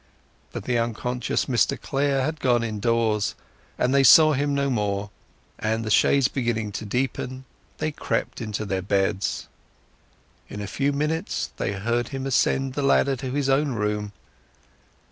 But the unconscious Mr Clare had gone indoors, and they saw him no more; and, the shades beginning to deepen, they crept into their beds. In a few minutes they heard him ascend the ladder to his own room.